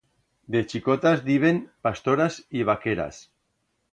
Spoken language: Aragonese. De chicotas diben pastoras y vaqueras.